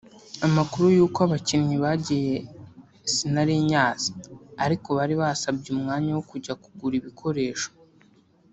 amakuru y’uko abakinnyi bagiye sinari nyazi ariko bari basabye umwanya wo kujya kugura ibikoresho